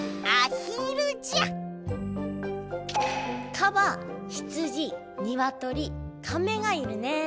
カバヒツジニワトリカメがいるね。